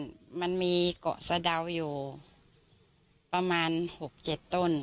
อยู่ที่หน้าบ้านมันมีเกาะสะเดาอยู่ประมาณหกเจ็ดต้น